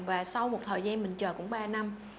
và sau một thời gian mình chờ cũng ba năm